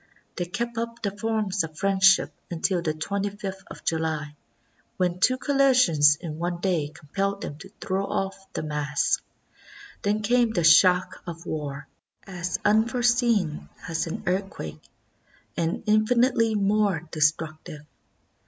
They kept up the forms of friendship until the 25 th of July, when two collisions in one day compelled them to throw off the mask. Then came the shock of war, as unforeseen as an earthquake, and infinitely more destructive.